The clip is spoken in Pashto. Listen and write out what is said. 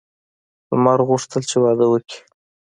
لمر غوښتل چې واده وکړي.